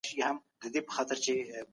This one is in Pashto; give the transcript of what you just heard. ښایي خلګ د سوسیالیزم په زیانونو پوه سي.